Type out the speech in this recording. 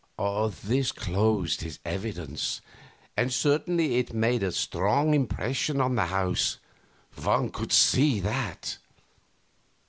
This closed his evidence, and certainly it made a strong impression on the house; one could see that.